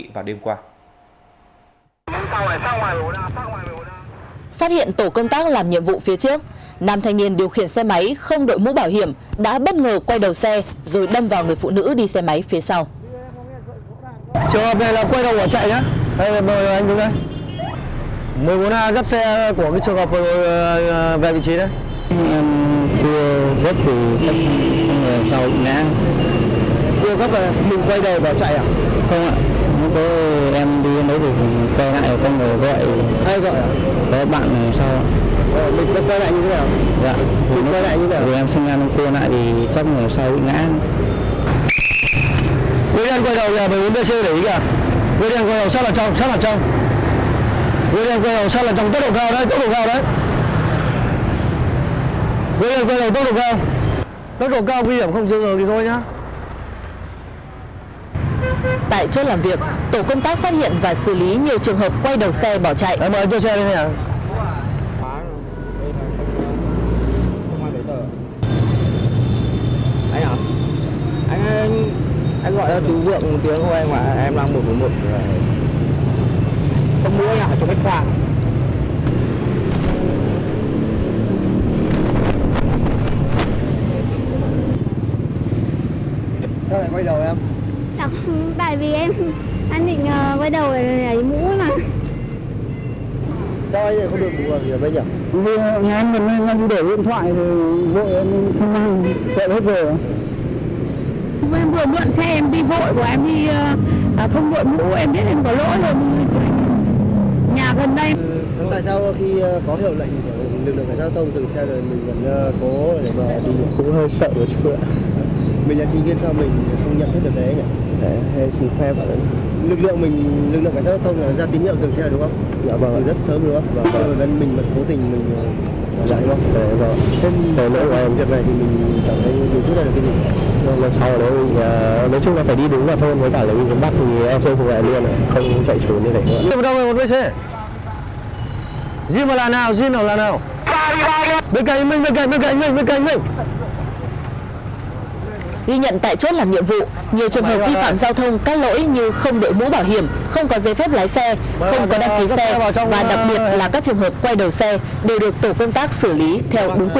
và đặc biệt là các trường hợp quay đầu xe đều được tổ công tác xử lý theo đúng quy định của pháp luật